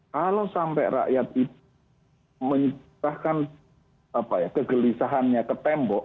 kalau sampai rakyat itu menyusahkan kegelisahannya ke tembok